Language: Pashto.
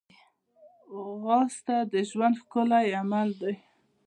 ځغاسته د ژوند ښکلی عمل دی